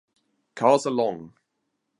Cars are long.